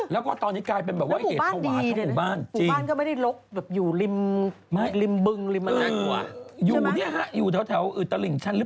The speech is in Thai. แล้วก็ตอนนี้กลายเป็นเหตุภาพของหมู่บ้าน